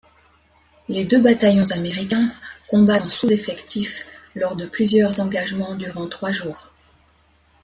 Les deux bataillons américains combattent en sous-effectif lors de plusieurs engagements durant trois jours.